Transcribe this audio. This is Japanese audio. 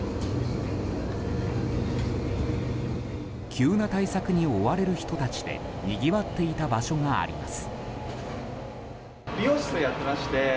急な対策に追われる人たちでにぎわっていた場所があります。